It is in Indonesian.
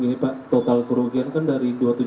ini pak total kerugian kan dari